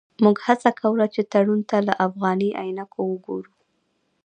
موږ هڅه کوله چې تړون ته له افغاني عینکو وګورو.